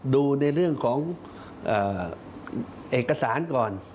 ดูในเรื่องของเอกสารก่อน